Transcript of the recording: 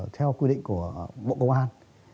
theo quy định của bộ công an